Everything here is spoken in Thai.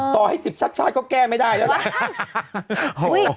ต่อให้สิบชัดก็แก้ไม่ได้แล้วแหละ